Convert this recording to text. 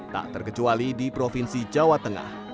tak terkecuali di provinsi jawa tengah